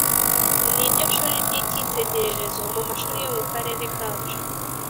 ni ryo shuri ry’ikitegererezo mu mashuri yo mu karere kacu.